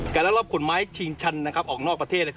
รักรอบขนไม้ชิงชันออกนอกประเทศ